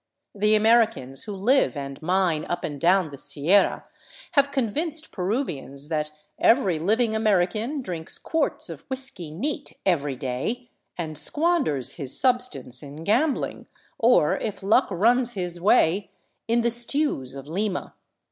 The Americans who live and mine up and down the Sierra have convinced Peruvians that every living American drinks quarts of whiskey neat every day, and squanders his substance in gambling, or if luck runs his way, in the " stews " of Lima.